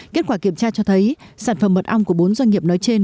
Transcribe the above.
kết quả kiểm tra cho thấy sản phẩm mật ong của bốn doanh nghiệp nói trên